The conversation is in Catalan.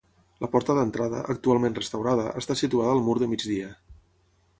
La porta d'entrada, actualment restaurada, està situada al mur de migdia.